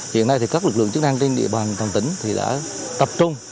hiện nay thì các lực lượng chức năng trên địa bàn toàn tỉnh thì đã tập trung